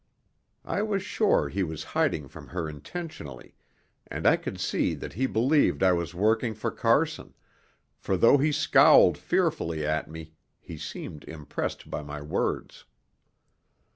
I was sure he was hiding from her intentionally, and I could see that he believed I was working for Carson, for though he scowled fearfully at me he seemed impressed by my words.